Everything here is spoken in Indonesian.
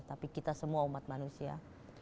tapi kita semua umat manusia